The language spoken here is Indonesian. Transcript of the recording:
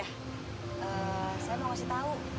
eh saya mau kasih tau